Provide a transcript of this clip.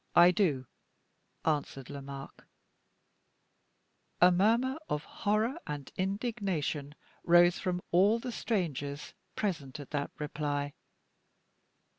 "I do," answered Lomaque. (A murmur of horror and indignation rose from all the strangers present at that reply.)